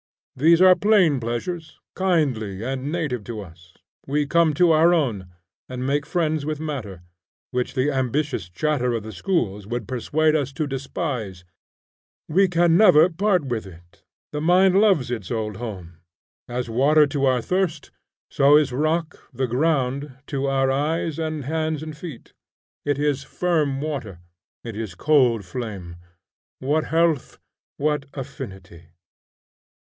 These are plain pleasures, kindly and native to us. We come to our own, and make friends with matter, which the ambitious chatter of the schools would persuade us to despise. We never can part with it; the mind loves its old home: as water to our thirst, so is the rock, the ground, to our eyes and hands and feet. It is firm water; it is cold flame; what health, what affinity!